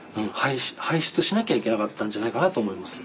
排出しなきゃいけなかったんじゃないかなと思います。